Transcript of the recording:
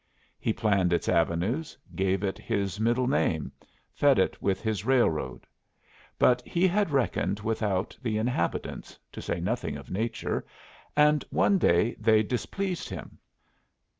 He planned its avenues, gave it his middle name, fed it with his railroad. But he had reckoned without the inhabitants (to say nothing of nature), and one day they displeased him.